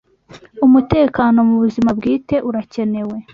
umutekano mu buzima bwite urakewe